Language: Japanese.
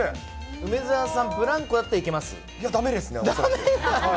梅澤さん、ブランコだったらいや、だめですね。